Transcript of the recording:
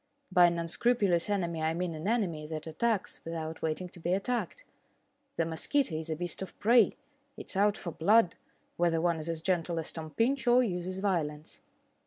By an unscrupulous enemy I mean an enemy that attacks without waiting to be attacked. The mosquito is a beast of prey; it is out for blood, whether one is as gentle as Tom Pinch or uses violence.